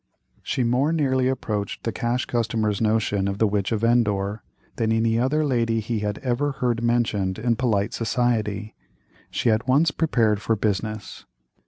She more nearly approached the Cash Customer's notion of the Witch of Endor, than any other lady he had ever heard mentioned in polite society. She at once prepared for business.